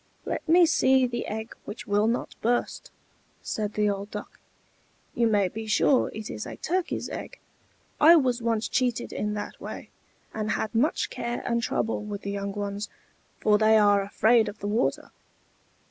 "Let me see the egg which will not burst," said the old Duck. "You may be sure it is a turkey's egg. I was once cheated in that way, and had much care and trouble with the young ones, for they are afraid of the water.